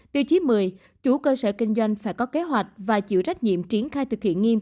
tiêu chí một mươi chủ cơ sở kinh doanh phải có kế hoạch và chịu trách nhiệm triển khai thực hiện nghiêm